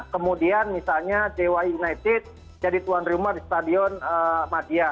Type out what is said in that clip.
kemudian misalnya dewa united jadi tuan rumah di stadion madia